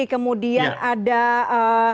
kemudian ada ya